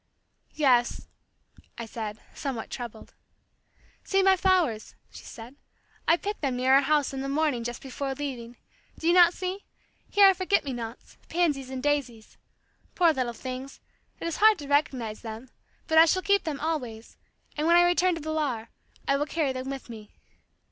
"Yes," I said, somewhat troubled. "See my flowers," she said. "I picked them near our house in the morning just before leaving. Do you not see? Here are forget me nots, pansies and daisies. Poor little things! It is hard to recognize them, but I shall keep them always, and when I return to Villar, I will carry them with me."